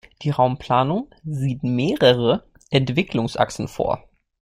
Die Raumplanung sieht mehrere Entwicklungsachsen vor.